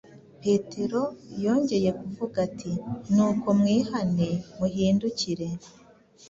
Petero yongeye kuvuga ati : “Nuko mwihane muhindukire,